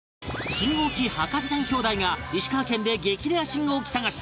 信号機博士ちゃん兄弟が石川県で激レア信号機探し